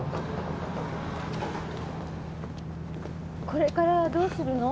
これからどうするの？